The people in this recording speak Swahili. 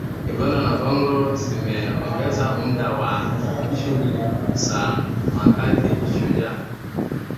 Uganda na Kongo zimeongeza muda wa shughuli za Mkakati Shujaa